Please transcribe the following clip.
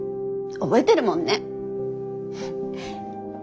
覚えてるもんね。